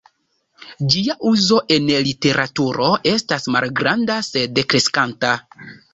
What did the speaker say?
Ĝia uzo en literaturo estas malgranda sed kreskanta.